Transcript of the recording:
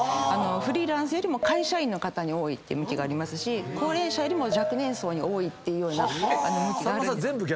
フリーランスよりも会社員の方に多いっていう向きがありますし高齢者よりも若年層に多いっていうような。